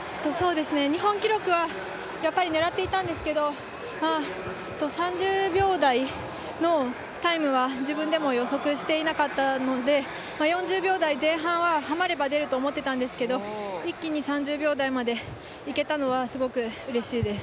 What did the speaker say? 日本記録は狙っていたんですけれども、３０秒台のタイムは自分でも予測していなかったので、４０秒台前半はハマれば出ると思っていたんですけれども一気に３０秒台までいけたのは、すごくうれしいです。